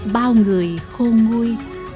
bao người khôn nguôi